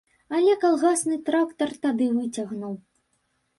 Але калгасны трактар тады выцягнуў.